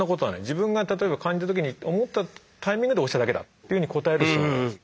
自分が例えば感じた時に思ったタイミングで押しただけだっていうふうに答えるそうなんです。